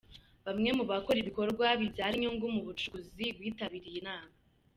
Bamwe mu bakora ibikorwa bibyara inyungu mu bucukuzi bitabiriye inama.